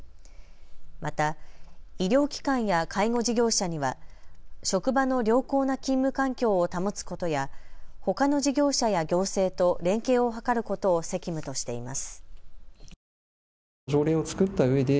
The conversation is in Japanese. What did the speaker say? また、医療機関や介護事業者には職場の良好な勤務環境を保つことや、ほかの事業者や行政と連携を図ることを責務としています。